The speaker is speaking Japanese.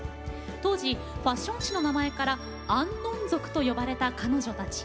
当時ファッション誌の名前からアンノン族と呼ばれた彼女たち。